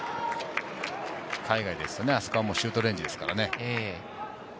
海外ですと、あそこはシュートレンジですからね。